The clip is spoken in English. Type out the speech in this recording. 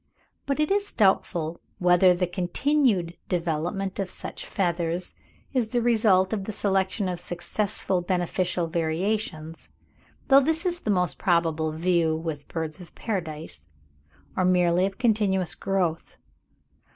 But it is doubtful whether the continued development of such feathers is the result of the selection of successive beneficial variations (though this is the most probable view with birds of paradise) or merely of continuous growth.